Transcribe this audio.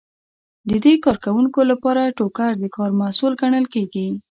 د دې کارکوونکو لپاره ټوکر د کار محصول ګڼل کیږي.